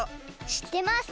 しってます！